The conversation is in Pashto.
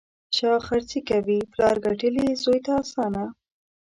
شا خرڅي کوي: پلار ګټلي، زوی ته اسانه.